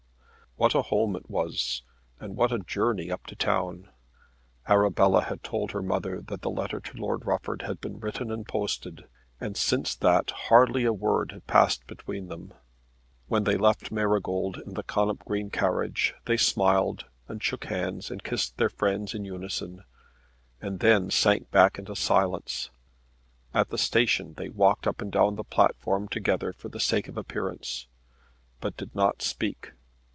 What a home it was, and what a journey up to town! Arabella had told her mother that the letter to Lord Rufford had been written and posted, and since that hardly a word had passed between them. When they left Marygold in the Connop Green carriage they smiled, and shook hands, and kissed their friends in unison, and then sank back into silence. At the station they walked up and down the platform together for the sake of appearance, but did not speak.